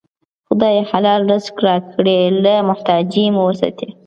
خدایه! حلال رزق راکړې، له محتاجۍ مو وساتې